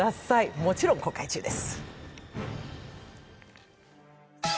もちろん公開中です。